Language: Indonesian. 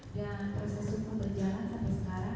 dan prosesukun berjalan sampai sekarang